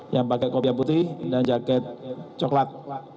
yang pakai kopiah putih dan jaket coklat